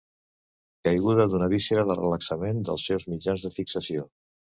Caiguda d'una víscera per relaxament dels seus mitjans de fixació.